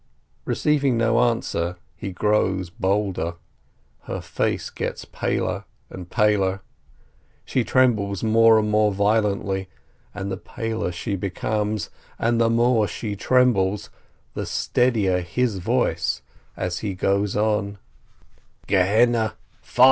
Eeceiving no answer, he grows bolder. Her face gets paler and paler, she trembles more and more violently, and the paler she becomes, and the more she trembles, the steadier his voice, as he goes on : "Gehenna!